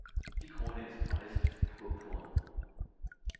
Die Krone ist weiß bis purpurn.